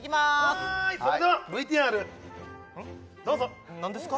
はいそれではＶＴＲどうぞ何ですか？